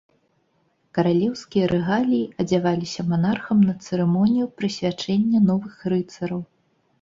Каралеўскія рэгаліі адзяваліся манархам на цырымонію прысвячэння новых рыцараў.